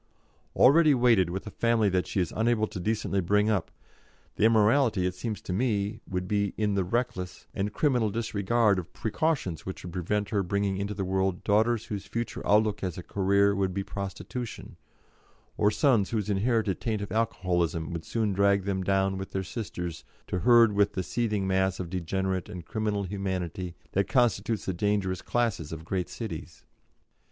Already weighted with a family that she is unable to decently bring up, the immorality, it seems to me, would be in the reckless and criminal disregard of precautions which would prevent her bringing into the world daughters whose future outlook as a career would be prostitution, or sons whose inherited taint of alcoholism would soon drag them down with their sisters to herd with the seething mass of degenerate and criminal humanity that constitutes the dangerous classes of great cities.